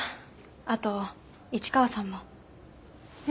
あと市川さんも。え？